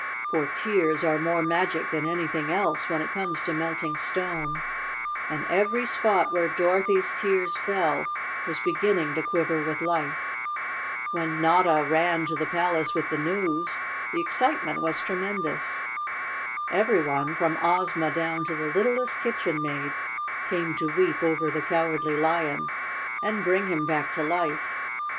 For tears are more magic than anything else, when it comes to melt¬ ing stone, and every spot where Dorothy's tears fell was beginning to quiver with life. When Notta ran to the palace with the news, the excitement was tre¬ mendous. Everyone, from Ozma down to the littlest kitchen maid, came to weep over the Cowardly Lion, and bring him back to life.